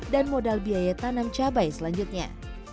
dan modal biaya tanam cabai selanjutnya